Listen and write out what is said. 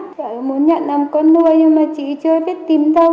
chị ấy muốn nhận làm con nuôi nhưng mà chị chưa biết tìm đâu